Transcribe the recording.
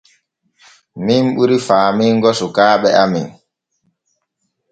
Min ɓuri faamingo sukaaɓe amen.